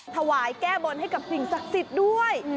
ทวายแก้บนกับพระหญิงศักดิ์สิทธิ์ด้วย